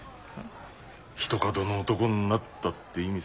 ひとかどの男になったって意味さ。